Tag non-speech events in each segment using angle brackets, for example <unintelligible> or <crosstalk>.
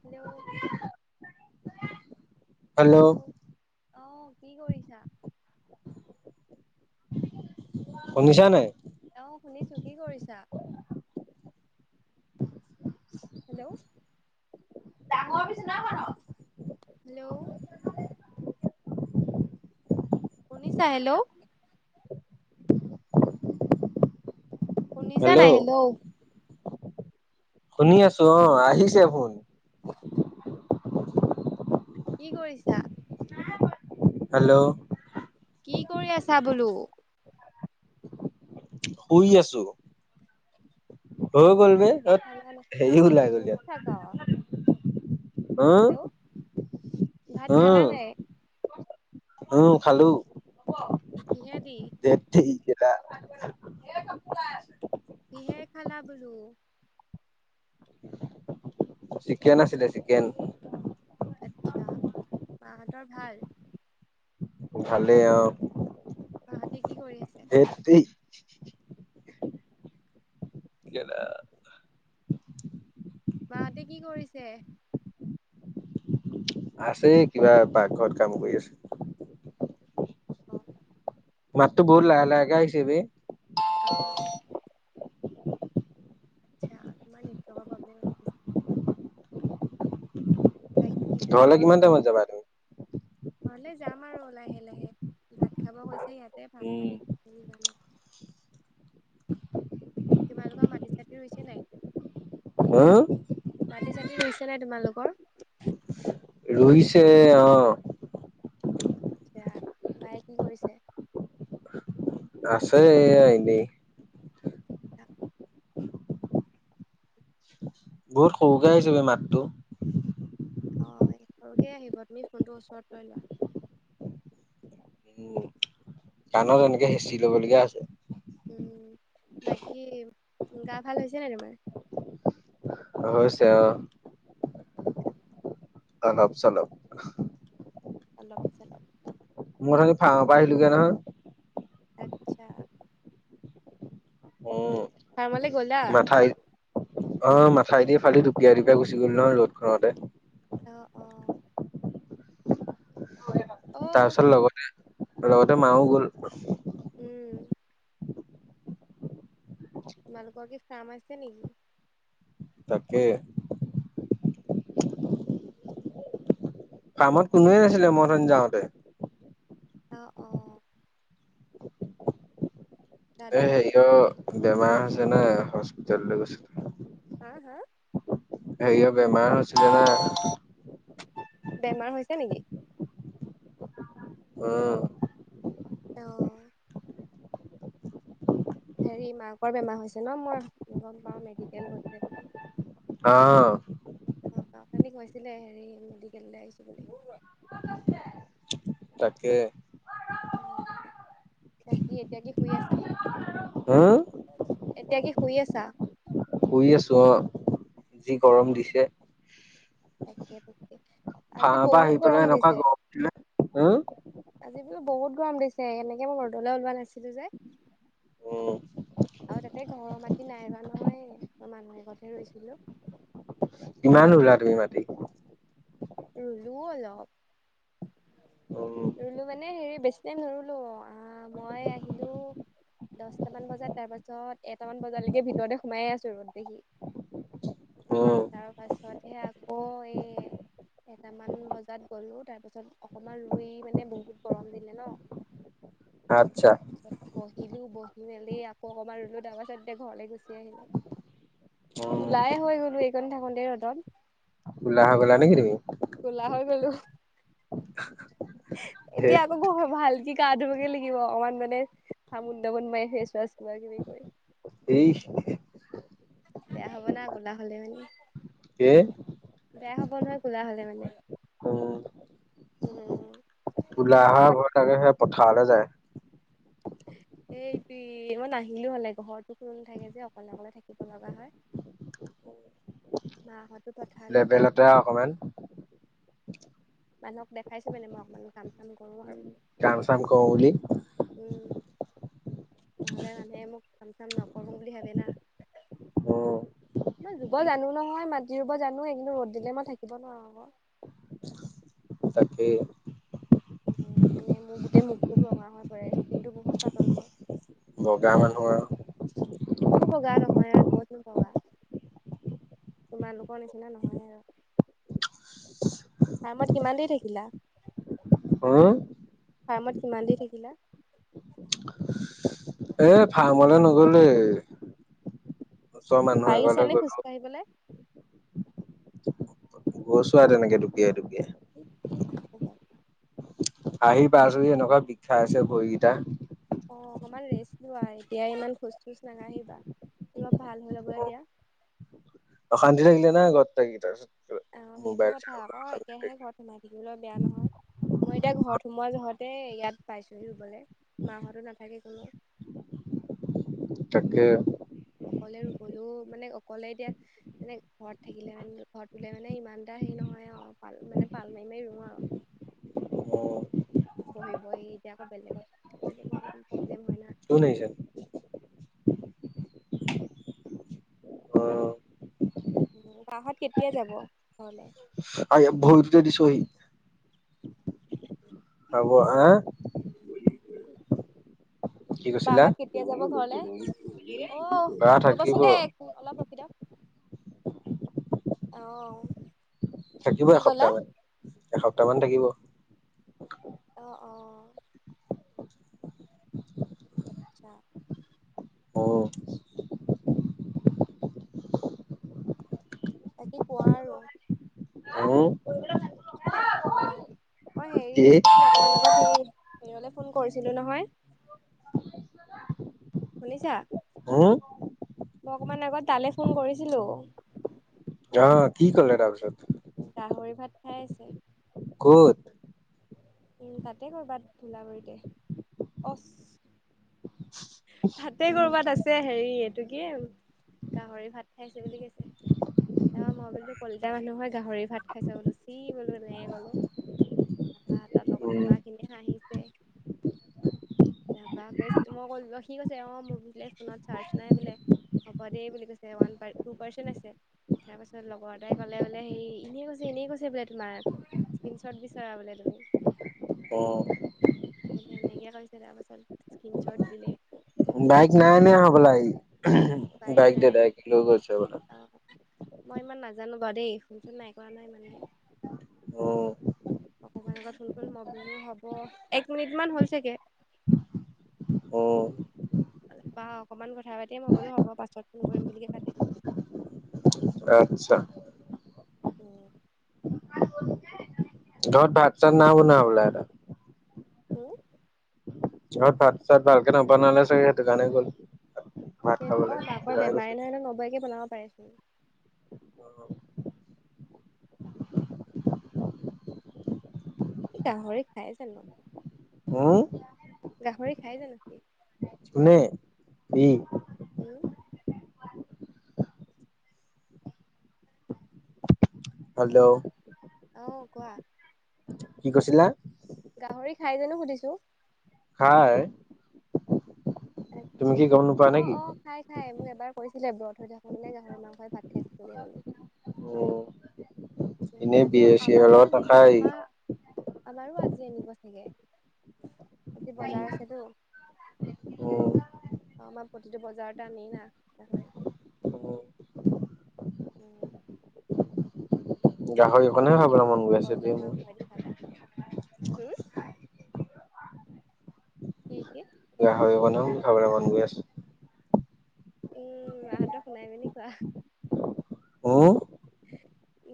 Hello hello আহ কি কৰিছা অ নিশা নাই অ শুনিছো কি কৰিছা হেল্ল' ডাঙৰ বি চিনাখন ন হেল্ল' শুনিছা হেল্ল' উনিছা নাই হেল্ল শুনি আছো অ আহিছে ফোন কি কৰিছা হেল্ল'! কি কৰি আছা বোলো? শুই আছো। অ হৈ গ'ল ভাত বে ধেত খালা নাই? হেৰি এই ওলাই ত্ৰিশ টকা। হা। ভাত খালা নাই? উম খালো। কিহে দি? ক। কিহে খালা বোলো? চিকেন আছিলে চিকেন। আচ্ছা মাহতৰ ভাল? ভালে আৰু। অ। সেইটোৱে। মাহঁতে কি কৰিছে? আছে কিবা পাকঘৰত কাম কৰি আছে। অ। মাতটো বহুত লাহ লাহে আহিছে যে। অ আচ্ছা তোমাৰ নি জবাবাব। ঘৰলে খবৰ কিমান কোৱা টাইমত যাবা আকো। ঘৰলে যাম আৰু লাহে লাহে ভাত খাব কৈছে ইয়াতে ভাত উম পানী খাই যাম আৰু। <inaudible> তোমালোকৰ মাটি চাটি হৈছে নাই। হা। মাটি চাটি হৈছে নাই তোমালোকৰ। ৰুইছে অ। আচ্ছা বায়ে কি কৰিছে। আছে এনে। বহুত হৰোকে আহিছে মাতটো। অ সৰুকে আহিব তুমি ফোনটো ওচৰত লৈ লোৱা। উম কাণত এনেকে হেঁচি লব লগীয়া আছে। উম বাকী গা ভাল হৈছে নে তোমাৰ। হৈছে অ। অলপ চলপ। অলপ চলপ। মোৰ খি ফা প আহিলো কে নহয়। আত্ছা। উম, কমলে গ'লা। মাথাউৰি অ মাথাইদি ফালি দুপিয়াই দুপিয়াই গুচি গল নহ ৰ'দ খতে। অ অ অ তাৰপিছত লগতে লগতে মাও গল। উম। তোমালোকৰ কি ফ্ম আছে নেকি? তাকে। ফাৰ্মত কোনোৱে নাছিলে মথন যাওঁতে। আহ অ। দাদা এ নাথাকে নেকি হেৰিয় বেমাৰ হৈছে নে হস্পিতেললৈ গৈছিল। হু হু। হেই বেমাৰ হৈছিলে ন। বেমাৰ হৈছে নেকি? উম, আহ হেৰি মাকৰ বেমাৰ হৈছে ন মই গম পাওঁ মেডিকেল গৈছে বুলি অ অ কা খালিক হৈছিলে হেৰি মেডিকেলৈ আহিছো বুলি ৰাখে আহ বাকী এতিয়া কি শুই আছা হুম, এতিয়া কি শুই আছা শুই আছো অ যি গৰম আহ দিছে তাকে আজি ভাঁ বা বহুত আহি গৰম পেলাই এনেকুৱা দিছে গৰম দিছে উম আজি বহুত গৰম দিছে এনেকে মই ৰদলৈ ওলোৱা নাছিলো যে উ আৰু তাতে ঘৰৰ মাতি নাইব নহয় আ মানুহেগতে ৰুইছিলো। কিমান ন ৰোঁলা তুমি মাটি ৰুলো অলপ। উম ৰুলো মানে হেৰি বেছি নাই নৰুলো আহ মই আহিলো। দহটামান বজাত তাৰপাছত এটামান বজালৈকে ভিতৰতে সোমাইে আছো ৰ'দ দেহি। উম তাৰ পাছতহে আকৌ এই এটামান বজাত গ'লো তাৰপিছত অকমান ৰুই মানে বহুত গৰম দিলে ন। আচ্ছা। আহিলো বহি মেলি আকৌ অকমান ৰুলো তাৰ পাছত এতিয়া ঘৰলে গুচি আহিলোঁ। উম কোলাই হৈ গ'লো এইকণ থাকোতে ৰদত। কলাহ হৈ গলা নেকি তুমি। কোলা হৈ গলো এতিয়া ধেত আকৌ ঘৰ ভাল। কি গা ধুবকে লাগিব অকমান মানে চাবোন টাবোন মাৰ ফেচ ৱাচ কিবা কিবি কৰি। এই বেয়া হ'ব না ক'লা হলে মানি। কি বেয়া হব নহয় খোলা হলে মানে উম উম! কোলা হোৱা বাহত ভয় তাকেহে পথাৰলৈ যায়। এইটো মই নাহিলো হলে ঘৰতো কোন নথাকে যে অকলে অকলে থাকিব লগা হয়। মা হতো। লেবেলতে অকমান। মানুহক দেখাইছো মানে মই অকমান কাম চাম কৰো আৰু। কাম চাম কৰো বুলি। উম নহলে মানুহে মোক কাম চাম নকৰ বুলি ভাবে না। উম <inaudible> মই ৰুব জানো নহয় মাতি ৰুব জানো এই কিন্তু ৰ'দ দিলে মই থাকিব নোৱাৰো আ। তাকেই মানে মোৰ গোটেই মুখটো ৰঙা হৈ পৰে স্কিনটো বহুত পাতল মই। বগা মানুহ আৰু। একো বগা নহয় আৰু ক'তো বগা। তোমালোকৰ নিচিনা নহয় আৰু। ফাৰ্মত কিমান দেৰি থাকিলা। উম ফাৰ্মত কিমান দি থাকিলা। এ ফাৰ্মলে নগলোৱে। ওচৰ মানুহ পাৰিছা এঘৰলে নে খোজ গ'লো কাঢ়িবলে গৈছোঁ আৰু তেনেকে দুপীযাই দুপীযাই। এই এইটো যায়। আহি পাইছোহি এনেকুৱা বিষাইছে ভৰিকেইটা। অ অকনমান ৰেষ্ট লোৱা এতিয়া ইমান খোজ খোজ নাগাঢ়িবা অলপ ভাল হৈ লব দিয়া। <inaudible> অশান্তি থাকিলে না ঘৰত থাকি। তাৰছত আ সেইটো কথা আকৌ। একেৰাহে ঘৰত সোমাই থাকিবলৈ বেয়া নহয়। মই এতিয়া ঘৰত সোমোৱা যহতে ইয়াত পাইছোহি ৰুবলে। মাহঁতো নাথাকে কোনো। <inaudible> তাকে। অকলে ৰুবলৈও মানে অকলে এতিয়া মানে ঘৰত থাকিলে মানে ঘৰত ৰুলে মানে ইমান এটা হে নহয় অ পাল মানে পাল মাই মাই ৰুওঁ আৰু। উম বহি বহি এতিয়া আকৌ বেলেগত তেনেকুৱা অকণ প্ৰব্লেম হয় না। <inaudible> কোন আহিছে? অ বাহঁত কেতিয়া যাব ঘৰলে? আয়া ভৰিটোতে দিছ অই। <inaudible> আবৌ হে কৈছিলা বাহঁত কেতিয়া যাব ঘৰলে? অ, বা থাকিব ৰবাচোন দেই অলপ ৰখি দিয়ক। <inaudible> আও <inaudible> থাকিব এসপ্তাহ মান। এসপ্তাহ মান থাকিব। অ, অ। আত্ছা। উম বাকি কোৱা আৰু? উম কোৱা। মই হেৰি এইটো কি অকমান আগত হেৰি ঘৰলে ফোন কৰিছিলো নহয়। শুনিছা? উম মই অকমান আগত তালৈ ফোন কৰিছিলোঁ। অ কি কলে তাৰপিছত? গাহৰি ভাত খাই আছে। ক'ত? উম তাতে কৰিবা ভুলাগুৰিতে। অচ তাতে উম কৰবাত আছে হেৰি এইটো কি? গাহৰি ভাত খাইছে বুলি কৈছে। অ মই বোলো কলিতা মানুহ হয় গাহৰি ভাত খাইছ। বোলো চি বোলো এনেকে ক'লো। তাপা তাৰ লগত উম থকা খিনি হাঁহিছে। তাপৰা কৈছো মই কলো সি কৈছে অ মোৰ বোলে ফোনত চাৰ্জ নাই বোলে। হব দেই বুলি কৈছে। ওৱান পাৰ টু পাৰ্চেণ্ট আছে। তাৰ পাছত লগৰ এটাই ক'লে বোলে হেই এনেই কৈছে এনেই কৈছে বোলে তোমাক। ইস্কিনচৰ্ত দিছোঁ। চোৱা বোলে তুমি। অ এনেকা কৰিছে। তাৰপাছত স্ক্ৰীন শ্বট দিলে। বাইক নাই নিয়া হবলা সি। বাইক দেতাকে লৈ গৈছে বোলে। অ মই ইমান নাজানো বাৰু দেই। ফোন চুন নাই কৰা না ইমানকে। উম অকমান আগত ফোন কৰি মই বোলোঁ হব। এক মিনিট মান হৈ চাগে। <inaudible> অ। তাৰপা অকমান কথা পাতি মই বোলো হ'ব পাছত ফোন কৰিম বুলি কৈ কাটি দিলোঁ আচ্ছা। উম। ঘৰত ভাত-চাত নাই বনোৱা হবলা তাৰ? হুম? অ ভাত-চাত ভালকে নবনালে চাগে? সেইটো কাৰণে গ'ল। ভাত খাবলে অ সেইটো মাকৰ কাৰণে গৈছে বেমাৰে নহয়। এনে নবৌয়েকে বনাব পাৰে সি। সি গাহৰি খাই জানো? উম গাহৰি খাই জানো সি? কোনে? ই উম। হেল্ল'! আহ কোৱা? কি কৈছিলা? গাহৰি খাই জানো সুধিছো? খাই। তুমি আচ্ছা কি গম নোপোৱা নেকি? অ-অ খাই-খাই মোক। এবাৰ কৈছিলে ব্ৰত হৈ থকা মানে গাহৰি মাংসই ভাত খাইছিলগে বুলি। উম, এনেই আজি বিয়েৰ চিয়েৰ আমাৰো লগত আজি নাখায়। উম, আমাৰ আমাৰো আজি আনিব চাগে আজি বজাৰ আছেতো। অমাৰ প্ৰতিটো বজাৰতে আনি না। উম, উম। গাহৰি বাকী অকণহে তুমি কি খাবলৈ মন ভাত গৈ আছে দেই ব্ৰইলাৰ মোৰ। মাংসইদি খালা হুম। কি কি? গাহৰি অকণও খাবলে মন গৈ আছে। উম মা হাতক শুনাই পিনী কোৱা। উম,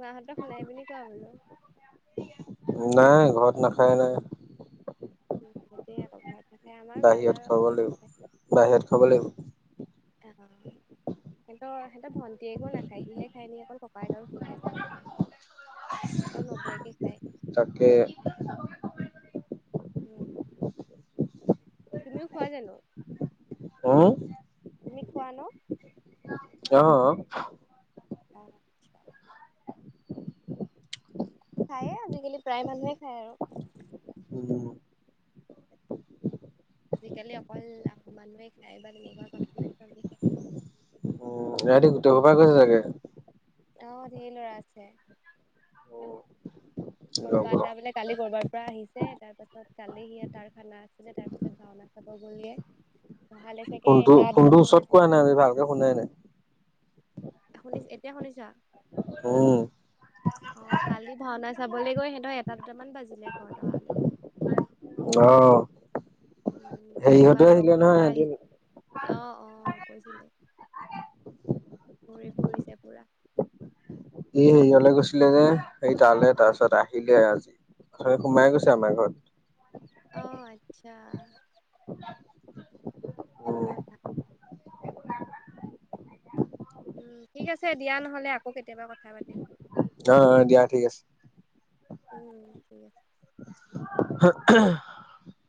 মাহঁতক শুনাই পিনি কোৱা বোলো। নাই ঘৰত নাখায় নাই। ঘ। বাহিৰত খাব লাগিব বাহিৰত খাব লাগিব। উ। সিহঁতৰ সহঁত ভটীয়ে একো নাখায় সিহে খায় নিকি অকল ককাইক আৰু সি খাই চাগে। আৰু নৌ বওঁ একে খাই। তাকে। উ তুমিও খোৱা জানো। উম, তুমি খোৱা ন। অ। আচছা। খায়ে আজিকালি প্ৰায় মানুহে খায় আৰু। উম, আজিকালি অকল আহোম মানুহে খায় বা তেনেকুৱা কথা নাই চ বিশষ। ৰাতি গোটেই সোপাই গৈছে চাগে। আহ ধেই লৰা আছে। কোনোবা এটা বানে কালি কৰৰবাৰ পৰা আহিছে তাৰ পাছত কালি সি তাৰ খানা আছিলে তাৰপিছত ভাওনা। খাব গল গে। ফোনটো ফোনটো ওচৰত কোৱা নাই আজি ভালকে শুনাই নাই। শুনিছ এতিয়া শুনিছা। উম, অ কালি ভাওনা চাবলৈ গৈ সিহঁত এটা দুটামান বাজিলে ঘৰত অহা লৈ। আহ। উম। ইহঁতো আহছিলে নহয় সিহঁতেটো। আহ অ কৈছিলে। ঘোৰি ফুৰিছে পুৰা। ই হেৰিয়লে গৈছিলে যে সেই তালে তাৰ অ', পিছত আহিলে আজি। ত সোমাই গৈছে আমাৰ ঘৰত। অ আচ্ছা। সেইটো উম কথা। উম ঠিক আছে দিয়া নহলে আকৌ কেতিয়াবা কথা পাতিম। অ অ দিয়া ঠিক আছে। উম ঠিক আছে। <unintelligible>